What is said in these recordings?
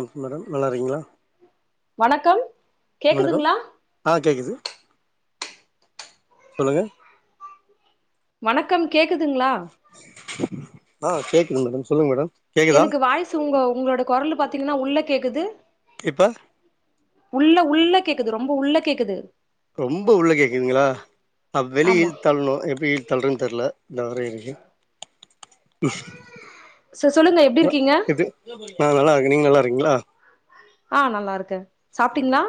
ம் மேடம் நல்லாருக்கீங்களா வணக்கம் வணக்கம் கேக்குதுங்களா ஆ கேக்குது சொல்லுங்க வணக்கம் கே க்குதுங்ளா? ஆ கேக்குது மேடம் சொல்லுங்க மேடம் கேக்குதா எனக்கு வாய்ஸ் உங்க உங்ளோட கொரலு பாத் திங்னா உள்ள கேக்குது இப்ப உள்ள உள்ள கேக்குது ரொம்ப உள்ள கேக்குது ரொம்ப உள்ள கேக்குதுங்களா அப் வெளிய ஆமா இழுத் தள்னு எப்டி இழுத் தள்றன் தெர்ல இந்தா வரே இரிங்க ச சொல்லுங்க எப்டி அ இருக்கீங்க இது ஆ நல்லாருக்கே நீங்க நல்லாரு கீங்ளா ஆ நல்லாருக்கே சாப்டீங்ளா?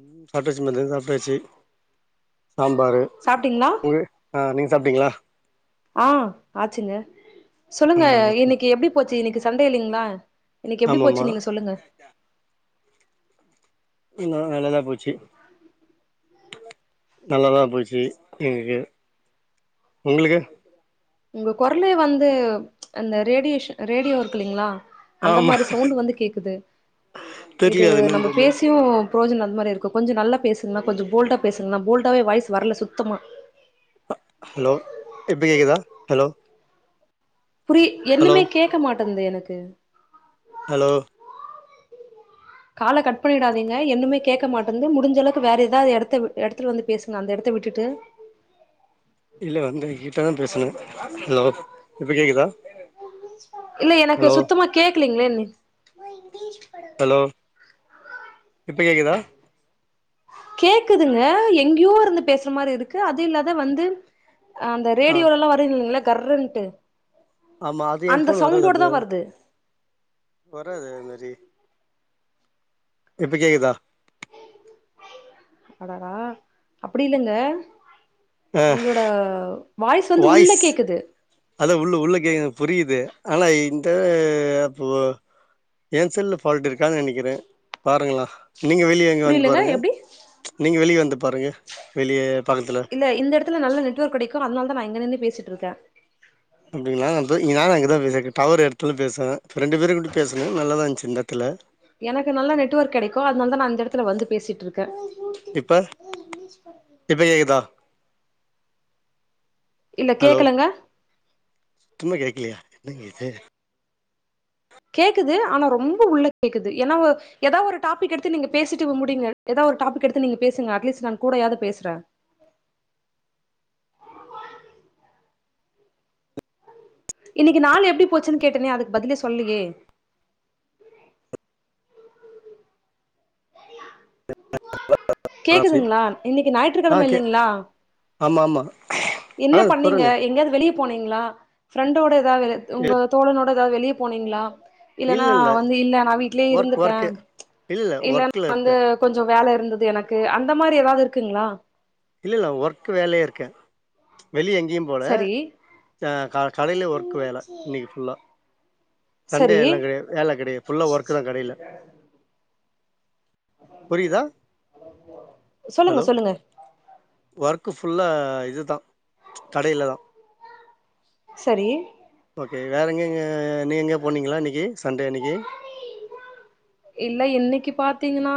ம் சாப் டாச்சு மதிய சாப்டாச்சி சாம்பாரு சாப்ட்டீங்களா உங்க ஆ நீங்க சாப்டீங்ளா? ஆ ஆச்சுங்க ஆ சொல்லுங்க ஓகே ஓகே இன்னைக்கு எப்டி போச்சு இன்னைக்கு சன்டே இல்லிங்ளா இன்னைக்கு எப்டி ஆமாமா போச்சு நீங்க சொல்லுங்க நா நல்லதா போச்சு நல்லதா போச்சு எங்களுக்கு உங்களுக்கு உங்க குரல்லே வந்து அந்த ரேடியேஷன் ரேடியோ இருக்கு இல்லைங்களா அந்த ஆமா மாரி சவுண்ட் வந்து கேக்குது இது தெர்லயே அது என்னன்னு நம்ம தெர்ல பேசியும் புரோஜன் அது மாரி இருக்கும் கொஞ்ச நல்லா பேசுங்கன்னா கொஞ்ச போல்டுடா பேசுங்கன்னா போல்டாவே வாய்ஸ் வர்ல சுத்தமா ஹலோ இப்போ கேக்குதா ஹலோ புரி ஹலோ என்னுமே கேக்க மாட் வந்த எனக்கு ஹலோ கால கட் பண்ணிடாதீங்க இன்னுமே கேக்க மாட்டன்து முடிஞ்ச அளவுக்கு வேற ஏதாவுது எடத்த எடத்துல வந்து பேசுங்க அந்த எடத்த விட்டுட்டு இல்ல வந்து ஏ கிட்ட தான் பேசனு ஹலோ இப்ப கேக்குதா ஹலோ இங்லேன்னே ஹலோ இப்ப கேக்குதா கேக்குதுங்க எங்கியோ இருந்து பேசுற மாரி இருக்கு அது இல்லாத வந்து அந்த ஆ ரேடியோல எல்லாம் வரு இல்லங்ள கர்னுட்டு ஆமா அது என் அந்த ஃபோன் வராது சவுண்டோட அப்டி தா வருது வராது அது மாரி இப்ப கேக்குதா அடடா அப்டி இல்லங்க ஆ உங்ளோட வாய்ஸ் வந்து உள்ள கேக்குது அதா உள்ள உள்ள கேக்குது புரியுது ஆனா இந்த அப்போ ஏ செல்லு ஃபால்ட் இருக்காதுன் நெனக்கிறேன் பாருங்ளே நீங்க வெளிய எங்க வந்து புரியலங்க பாருங்க எப்டி நீங்க வெளிய வந்து பாருங்க வெளியே பக்கத்துல இல்ல இந்த சுட்டு இருக்கேன் அப்டிங்ளா யான் அங்க இப்பதான் விசா டவர் எடத்துல பேசுனேன் இப்போ ரெண்டு பேரும் கூப்டு பேசுனேன் நல்லாதான் இருந்துச்சு இந்த எடத்துல அதுனால்தான் நான் இந்த இடத்துல வந்து பேசிட்டு இருக்கேன் இப்ப இப்ப கேக்குதா இல்ல கேக்கலங்க சுத்தம்மா கேக்கலியா என்னங்க இது கேக்குது ஆனா ரொம்ப உள்ள கேக்குது ஏன்னா ஏதாவது ஒரு டாபிக் எடுத்து நீங்க பேசிட்டு முடிங்க ஏதாவ ஒரு டாபிக் எடுத்து நீங்க பேசுங்க அட்லீஸ்ட் நான் கூட யாவது பேசுறேன் இன்னைக்கு நாளு எப்டி போச்சுன்னு கேட்டேனே அதுக்கு பதிலே சொல்லலியே [unintelligible] இது கேக்குதுங்களா இன்னைக்கு ஆ ஞாயிற்றுக்கிழமை கே இல்லைங்களா ஆமா ஆமா ஆ என்ன பண்ணீங்க சொல்றனே எங்கயாவது வெளியே போனீங்களா பிரெண்ட் ப்ரெண்டோட ஆ உங்க தோழனோட இப்பதான் வெளிய போனீங்களா இல்ல இல்லன்னா இல்ல வந்து இல்ல நான் வீட்லயே ஒர்க் இருந்துட்டேன் ஒர்க்கு இல்ல இல்ல இல்லன்னா ஒர்க்ல இருக்கே வந்து கொஞ்சோம் வேல இரு இருந்தது எனக்கு அந்த மாரி ஏதாவது இருக்குங்களா இல்லல்ல ஒர்க் வேலையா இருக்கேன் வெளிய எங்கயும் போல சரி அ க கடையில ஒர்க்கு வேலை இன்னைக்கு ஃபுல்லா சண்டே சரி எல்லாம் கெடையாது வேலை கெடையாது ஃபுல்லா ஒர்க்கு தான் கடையில புரிதா சொல்லுங்க ஹலோ சொல்லுங்க ஒர்க்கு ஃபுல்லா இதுதான் கடையில தான் சரி ஓகே வேற எங்கெங்க நீங்க எங்க போனீங்களா இன்னக்கி சண்டே இன்னக்கி இல்ல இன்னைக்கு பாத்தீங்கன்னா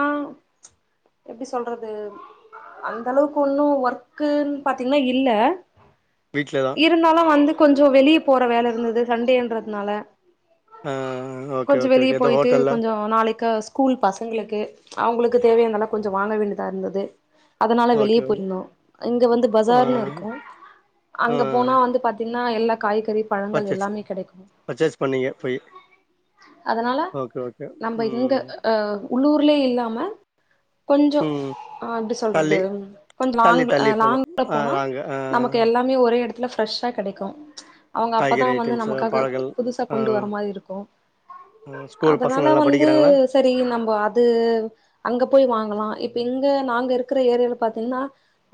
எப்டி சொல்றது அந்த அளவுக்கு ஒண்ணும் ஒர்க்குன பாத்தீங்கன்னா இல்ல வீட்ல தா இருந்தாலும் வந்து கொஞ்சோம் வெளிய போற வேல இருந்தது சண்டேன்றதுனால ஆஹ் ஓகே கொஞ்சோ ஓகே வெளிய கே இந்த போயிட்டு ஹோட்டல்ல கொஞ்சோ நாளைக்கு ஸ்கூல் பசங்களுக்கு அவங்களுக்கு தேவையானதை ம். கொஞ்ச வாங்க வே தான் இருந்தது அதனால ஓகே வெளிய ஓகே போயிருந்தோம் இங்க வந்து ஆ பஜார்ல இருக்கோம் ஆ அங்க போனா வந்து பாத்தீங்கா நான் எல்லா காய்கறி பழங்கள் பர்ச்சேஸ் எல்லாமே கெடைக்கு பர்ச்சேஸ் பண்ணீங்க போய் அதனால ஓகே ஓகே நம்ம இங்க ம் அ உள்ளூர்லயே இல்லாம கொஞ்சோ ம் ஆ எப்பிடி தள்ளி சொல்றது கொஞ்சோ லாங் தள்ளி தள்ளி போனோ லாங்க்ல ஆ போனா நாங்க ஆ நமக்கு எல்லாமே ஒரே எடத் இல்ல ப்ரெஷ்ஷா கெடைக்கு அவுங்க அப்பதா காய்கறி வந்து ஐட்டம்ஸ் நமக்காக பழங்கள் புதுசா ஆ கொண்டு வர மாரி இருக்கு ஆ ஸ்கூல் அதனா பசங்க அலா நல்லா வந்து படிக்கிறாங்களா சரி நம்ப அது அங் அங்க போய் வாங்கலா இப்ப இங்க நாங்க இருக்கிற ஏரியால பாத்தீங்கன்னா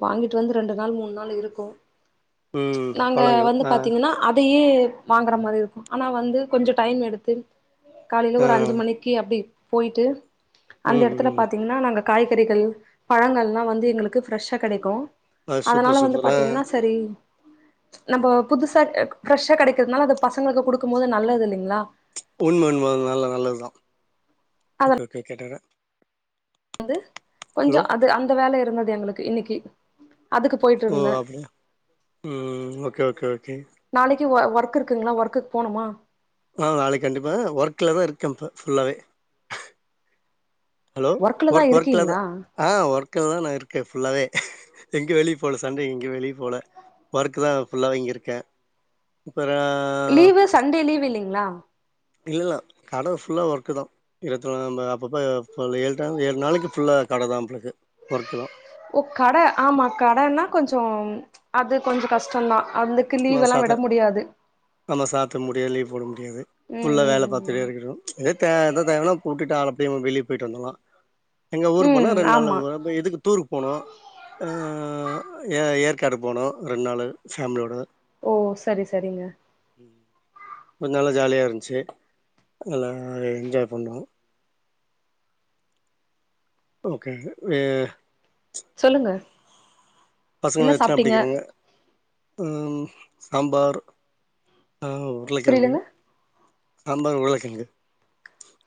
வாங்கிட்டு வந்து ரெண்டு நாள் மூணு நாள் இருக்கு ம் நாங்க பழங்கள் வந்து ஆ பாத்தீங்கன்னா அதயே வாங்கற மாரி இருக்கு ஆனா வந்து கொஞ்சோ டைம் எடுத்து காலையில ஆ ஒரு அஞ் அஞ்சு மணிக்கு அப்பிடி போயிட்டு அந்த ம் எடத்துல ம் பாத்தீங்கன்னா நாங்க காய்கறிகள் பழங்கல்லா வந்து எங்களுக்கு ஃப்ரெஷ்ஷா கெடைக்கு ஆ அதனால சூப்பர் வந்து சூப்பர் ஆ பாத்தீங்கன்னா சரி நம்ப புதுசா ஃப்ரெஷ்ஷா கெடைக்கிறதுனால அது பசங்களுக்கு குடுக்கு போது நல்லது இல்லிங்களா உண்ம உண்ம நல்ல நல்லதுதா ஓகே ஓகே கேட்டற வந்து கொஞ்சோ அது அந்த வேல இ இருந்தது எங்களுக்கு இன்னிக்கி ஓ அப்பய ம் ஓகே ஓகே ஓகே க்கி ஒ ஒர்க் இருக்குங்களா ஒர்குக்கு போணுமா ஆ நாளைக்கு கண்டிப்பா ஒர்க்லதா இருக்க இப்ப ஃபுல்லாவே ஹலோ ஒர்க்ல தா ஒர்க் ஒர்கல த இருக்கீங்களா ஆ ஒர்க் ர்க்லதா நா இருக்கே ஃபுல்லாவே எங்க வெளியே போல சண்டே எங்கியு வெளிய போல ஒர்க்தா ஃபுல்லாவே இங்க இருக்கே இப்ப லீவு சண்டே லீவ் இல்லிங் ங்லா டில்லலா கட ஃபுல்லா ஒர்க்குதா இல்ல தோழா நம்ம அப்பப்ப ஃப ஏாழுடா ஏழு நாளக்கு ஃபுல்லா கடதா நம்ளுக்கு ஓ கட ஆமா கடன்னா கொஞ்சோ அது கொஞ்சோ கஷ்டந்தா அதுக்கு நம்ம லீவ் எல்லா சாத்த விட முடியாது நம்ம சாத்த முடியு லீவ் போட முடியாது ம் ஃபுல்ல வேல ம் பாத்துட்டே ம் இருக்கனு [unintelligible] கூட்டிட்டு ஆளப்போயி வெளிய போயிட்டு வந்துர்லா எங்க ஊரு போனா ம் ரெண்டு நாள்ள ஆமா ஊர் அப்ப எதுக்கு டூர்ருக்கு போனு ஆ ஆ ஏ ஏற்காடு போனோ ரெண் நாளு ஃபேமிலியோட ஓ சரி சரிங்க கொஞ் நல்லா ஜாலியா இருந்ச்சி நல்லா என்ஜாய் பண்ணுனோ ஓகே வே சொல்லுங்க என்ன பசங்கள எத்தனாவது சாப்ட்டீங்க படிக்கிதுங்க ம் சாம்பார் ஆ உருளகெழங்கு புரியலங்க சம்பார் உருளகெழங்கு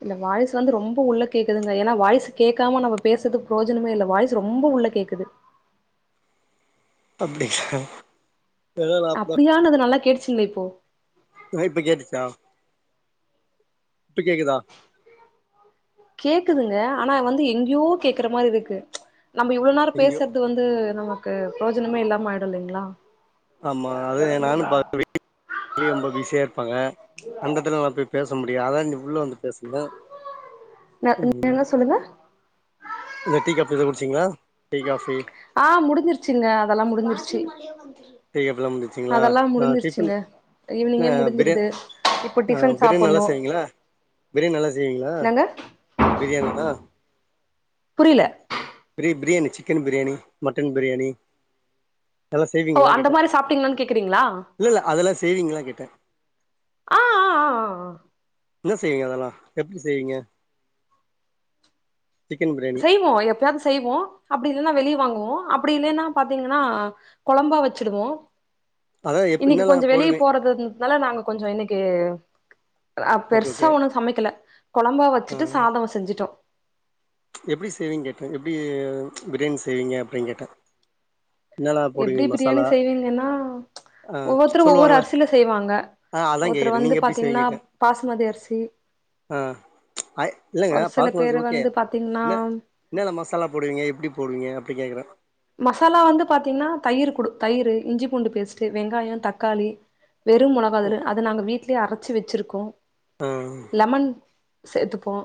இல்ல வாய்ஸ் வந்து ரொம்ப உள்ள கேக்குதுங்க ஏன்னா வாய்ஸ் கேட்காம நம்ம பேசுது ப்ரோஜனமே இல்ல வாய்ஸ் ரொம்ப உள்ள கேக்குது அப்படி [unintelligible] அப்படியானது நல்லக் கேட்டுச்சு இல்ல இப்போ இதோ இப்ப கேட்டுச்சு ஆ இப்ப கேக்குதா கேக்குதுங்க ஆனா வந்து எங்யோ கேக்குற மாரி இருக்கு நம்ம இவ்ளோ நேரே எங்கயோ பேசறது வந்து நமக்கு ப்ரேஜனமே இல்லாம ஆயிடு இல்லிங்ளா ஆமா அது நானு [inaudible] வீட்லயும் ரொம்ப பிஸியா இருப்பாங்க அந்தத்துல நா போய் பேச பேச முடியா அதா இங்க உள்ள வந்து பேசுத ம் என்ன சொல்லுங்க இந்த டீ கப்லத எதோ குடிச்சீங்களா டீ காபி ஆ முடிஞ்சிருச்ங்க அதெல்லா முடிஞ்சிருச்சி டீ காபிலாம் முடிச்சிங்களா அதெல்லா ஆ டிஃபன் முடிஞ்சிருச்சுங்க ஆ ஈவினிங்கே பிரியாணி முடிஞ்சிருது இப்ப ஆ டிபன் பிரியாணி நல்லா சாப்பணு செய்வீங்களா பிரியாணி நல்லா செய்வீங்களா என்னங்க பிரியாணிலா புரில பிரி பிரியாணி சிக்கன் பிரியாணி மட்டன் பிரியாணி நல்லா ஓ செய்விங்கலா அந்த கேட்டே மாரி சாப்ட்டீங்களான்னு கேக்குறீங்களா இல்லல்ல அதெல்லா செய்விங்லா கேட்டே ஆ ஆ ஆ ஆ அ என்ன செய்வீங்க அதெல்லா எப்படி செய்வீங்க சிக்கன் பிரியாணி செய்வோ எப்பயாது செய்வோ அப்படி ன்னா வெளிய வாங்குவோ அப்படி இல்லைன்னா பாத்தீங்கன்னா குழம்பாவச்சிடுவோ அதான் எப் இன்னைக்கு கொஞ்ச என்னெல்லாம் போடுவேன் வெளியப்போறதுனால நாங்க கொஞ்சோ இன்னைக்கு ஆ ஓகே ஓகே பெருசா ஒண்ணு சமைக்கல குழம்பா வச்சுட்டு சாதம் செஞ்சுட்டோம். எப்படி செய்வீங்கக் எப்படி பிரியாணி செய்வீங்க அப்டி கேட்டேன் என்னல்லா போடுவீங்க எப்டி பிரியாணி மசாலா செய்வீங்கன்னா ஆஹ் ஒவ்வொருத்தரு ஒவ்வொரு சொல்லுவாங்களேன் அரிசில செய்வாங்க ஆஹ் அதான் ஒருத்தர் கேட்டேன் வந்து நீங்க எப்படி பாத்தீங்கன்னா செய்வீங்கன்னு பாசுமதி அரிசி ஆ ஐ இல்லங்க ஒரு சில பேரு பாக்கனும் ஓகே வந்து பாத்தீங்கன்னா என்னன்ன மசாலா போடுவீங்க எப்படி போடுவீங்க. எப்டி கேக்குறேன் மசாலா வந்து பாத்தீங்கன்னா தயிர், குடு தயிர், இஞ்சி, பூண்டு பேஸ்ட்டு வெங்காயம், தக்காளி வெறுமுழகாதான அத நாங்க வீட் அரைச்சு வச்சிருக்கோம் ம் சேர்த்துப்போம்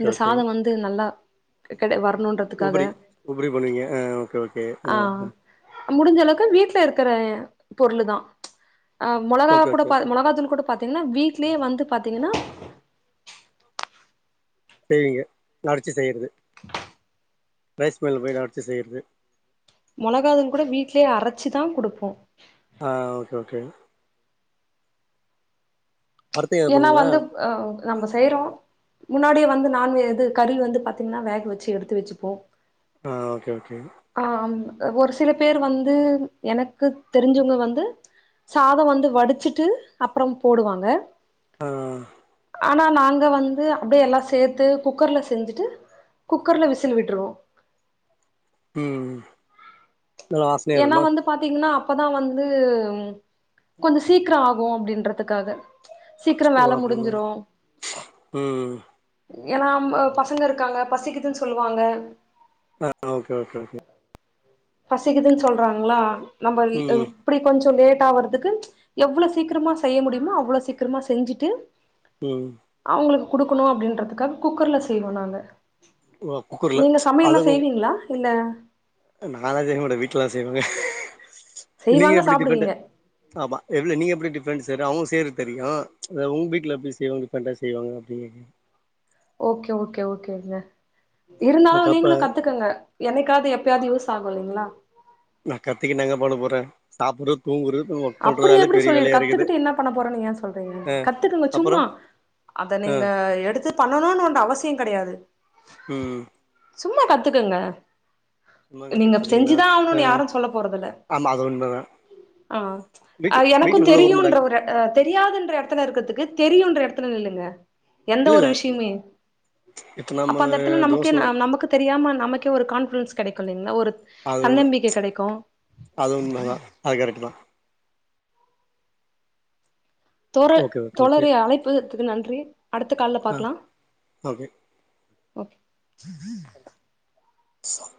அந்த சாதோம் வந்து நல்லா ரெண்டு உபரி உபரி போண்ணீங்க ம் ஓகே ஓகே ம் ம் முடிஞ்சளவுக்கு வீட்டுலருக்கிற பொருளு தான் ஆ மொளகா ஓகே குட ஓகே மிளகாதுனு கூட பாத்தீங்ன்னா வீட்லயே வந்து பாத்தீங்ன்னா செரிங்க அடிச்சு செய்யறது ரைஸ் மில் போய்டு அரைச்சி செய்றது மொளகாதுங்கூட வீட்லயே அரச்சிதான் கொடுப்போம் ஆ ஓகே ஓகே அடுத்து எது ஏன்னா பண்ணீங்களா வந்து அஹ நம்ம செய்றோம். முன்னாடியே வந்து நான் இது கறி வந்து பாத்தீங்கன்னா வேக வச்சு எடுத்து வச்சுப்போம். ஆ ஓகே ஓகே ஒரு சில பேர் வந்து எனக்கு தெரிஞ்சவங்க வந்து சாதோம் வந்து வடிச்சுட்டு அப்புறம் போடுவாங்க. ம் ம் ஆனா நாங்க வந்து அப்டியே எல்லாசேத்து குக்கர்ல செஞ்சுட்டு குக்கர்ல விசில் விட்ருவோம். உம் ஏன்னா வந்து பாத்தீங்கன்னா அப்பதான் வந்து கொஞ்சம் சீக்கிரம் ஆகும் அப்படின்றதுக்காக சீக்கிரம் ஓ வேலை அப்டிங்களா முடிஞ்சிரும் ம் ஏன்னா பசங்க இருக்காங்க பசிக்குதுன்னு சொல்லுவாங்க ஆ ஓகே ஓகே ஓகே பசிக்குதுன்னு சொல்றாங்களா நம்ம ம் இப்படி கொஞ்சம் லேட் டா வர்துக்கு எவ்வளவு சீக்கிரமா செய்ய முடியுமோ அவ்வளோ சீக்கிரமா செஞ்சுட்டு ம் குடுக்கணும் அப்படின்றதுக்கா குக்கர்ல செய்வோம் நாங்க ஓ குக்கர்ல நீங்க சமையல் எல்லாம் செய்வீங்களா இல்ல நானலாம் செய்ய மாட்டேன் வீட்டுலல்லாம் செய்வாங்க நீங்க செய்வாங்க எப்படி டிஃபெண்ட்டு சாப்டுவீங்க ஆமா நீங்க எப்படி டி ஃபெ ரெண்ட் சார் அவுங்க செய்றது தெரியும் அ உங்க வீட்டுல எப்படி செய்வாங்க டிஃப்ரெண்டா செய்வாங்க அப்படின்னு ஓகே ஓகே ஓகேங்க இந்த இருந்தாலும் கப்ப நீங்களும் கத்துக்கங்க என்னைக்காவது எப்பயாவது யூஸ் பாகும் இல்லைங்களா நான் கத்துக்கிட் என்னாங்க பண்ண போறேன் சாப்பிடுறது தூங்குறது ஒர்க் அப்படி பண்றதாலே எப்படி பெரிய சொல்லிடு வேலையா இருக்குது கத்துக்கிட்டு என்ன பண்ண போறேன்னு ஏன் சொல்றீங்க ஆ கத்துக்குங்க அப்பறோ சும்மா அத ஆ நீங்க எடுத்து பண்ணணும்னு ஒன்னு அவசியம் கெடையாது ம் சும்மா கத்துக்குங்க சும்மா கத்தங்க நீங்க சொன்னறீங்களா செஞ்சுதா ஆகணுனு அ யாரு சொல்ல போறதில்ல ஆமா அது உண்மைதான் ஆ அது எனக்கும் தெரியும்ன்ற ஒரு தெரியாதுன்ற இடத்துல இருக்குறதுக்கு தெரியும்ன்ற இடத்துல நில்லுங்க எந்த இல்ல ஒரு இல்ல விஷயமே இப்ப நம்ம அப்ப அந்த இடத்துல நமக்கே தோச நமக்கு தெரியாம நமக்கே ஒரு கான்பிடன்ஸ் கெடைக்கும் இல்லைங்களா ஒரு அது தன்னம்பிக்கை கெடைக்கு அதுவும்ண்மைதான் அது கரெக்ட்டு தான் தோழர் ஓகே ஓகே ஓகே தோழரே அழைப்பதற்க்கு நன்றி அடுத்த கால்ல ஆ பாக்கலாம் ஓகே ஓகே ச [inaudible]